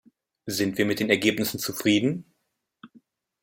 Sind wir mit den Ergebnissen zufrieden?